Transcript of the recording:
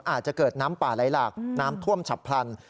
อาจจะเกิดน้ำป่าไหลหลากน้ำท่วมฉับพลัน